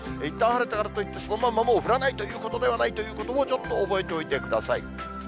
いったん晴れたからといって、そのまま降らないということではないということもちょっと覚えておいてください。